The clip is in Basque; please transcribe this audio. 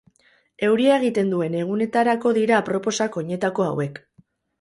Euria egiten duen egunetarako dira aproposak oinetako hauek.